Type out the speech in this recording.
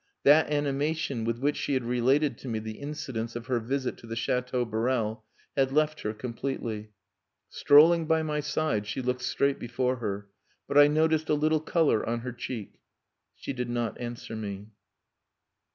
That animation with which she had related to me the incidents of her visit to the Chateau Borel had left her completely. Strolling by my side, she looked straight before her; but I noticed a little colour on her cheek. She did not answer me.